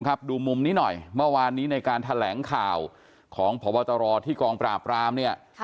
ดูมุมนี้หน่อยเมื่อวานนี้ในการแถลงข่าวของพบตรที่กองปราบรามเนี่ย